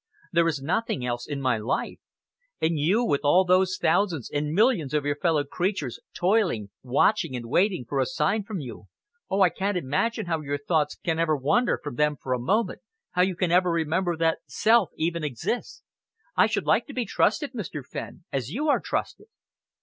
There is nothing else in my life. And you, with all those thousands and millions of your fellow creatures toiling, watching and waiting for a sign from you oh, I can't imagine how your thoughts can ever wander from them for a moment, how you can ever remember that self even exists! I should like to be trusted, Mr. Fenn, as you are trusted."